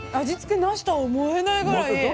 味付けなしとは思えないぐらい。